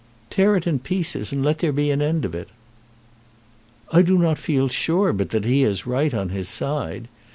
"Tear it in pieces, and then let there be an end of it." "I do not feel sure but that he has right on his side.